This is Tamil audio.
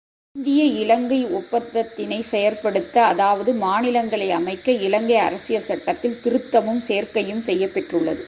இந்திய இலங்கை ஒப்பந்தத்தினைச் செயற்படுத்த அதாவது மாநிலங்களை அமைக்க இலங்கை அரசியல் சட்டத்தில் திருத்தமும் சேர்க்கையும் செய்யப் பெற்றுள்ளது.